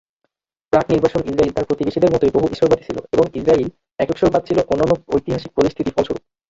প্রাক-নির্বাসন Israel তার প্রতিবেশীদের মতই বহু-ঈশ্বরবাদী ছিল, এবং ইজরায়েলীয় একেশ্বরবাদ ছিল অনন্য ঐতিহাসিক পরিস্থিতির ফলস্বরূপ।